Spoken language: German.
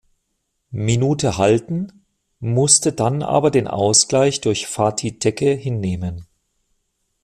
Minute halten, musste dann aber den Ausgleich durch Fatih Tekke hinnehmen.